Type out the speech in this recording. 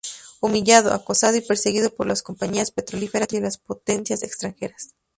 Humillado, acosado y perseguido por las compañías petrolíferas y las potencias extranjeras.